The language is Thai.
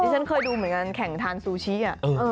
ฉันเคยดูเหมือนกันแข่งทานซูชิ